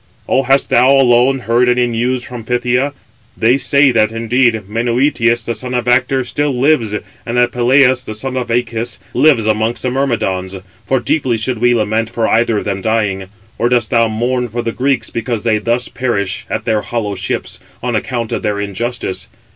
Or hast thou alone heard any news from Phthia? They say that, indeed, Menœtius, the son of Actor, still lives, and that Peleus, the son of Æacus, lives amongst the Myrmidons: for deeply should we lament for either of them dying. Or dost thou mourn for the Greeks, because they thus perish at their hollow ships, on account of their injustice?